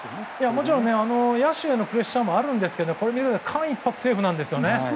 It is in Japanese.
もちろん、野手へのプレッシャーもあるんですけどこれを見ると間一髪セーフなんですよね。